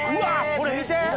これ見て！